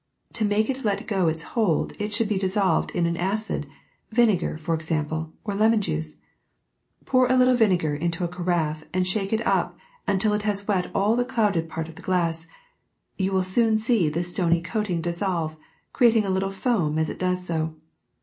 To make it let go its hold it should be dissolved in an acid, vinegar for example, or lemon juice. Pour a little vinegar into a carafe and shake it up until it has wet all the clouded part of the glass ; you will see the stony coating dissolve, creating a little foam as it does so.